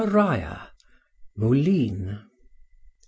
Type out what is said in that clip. MARIA. MOULINES.